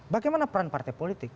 bagaimana peran partai politik